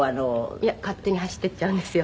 「いや勝手に走っていっちゃうんですよ」